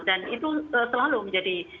dan itu selalu menjadi